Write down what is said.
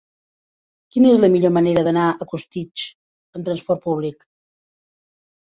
Quina és la millor manera d'anar a Costitx amb transport públic?